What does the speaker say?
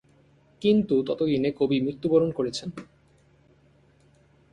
কিন্তু ততদিনে কবি মৃত্যুবরণ করেছেন।